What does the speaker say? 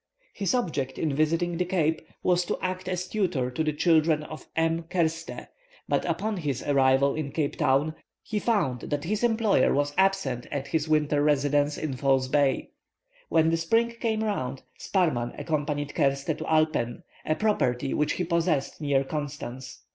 His object in visiting the Cape was to act as tutor to the children of a M. Kerste; but upon his arrival in Cape Town, he found that his employer was absent at his winter residence in False Bay. When the spring came round, Sparrman accompanied Kerste to Alphen, a property which he possessed near Constance.